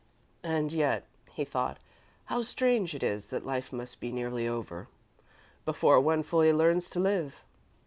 "And yet," he thought, "how strange it is that life must be nearly over, before one fully learns to live."